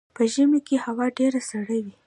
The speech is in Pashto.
په ژمي کې هوا ډیره سړه وي